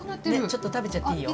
ちょっと食べちゃっていいよ。